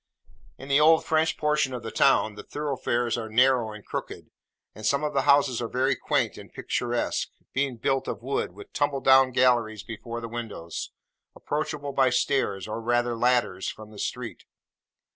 In the old French portion of the town, the thoroughfares are narrow and crooked, and some of the houses are very quaint and picturesque: being built of wood, with tumble down galleries before the windows, approachable by stairs or rather ladders from the street.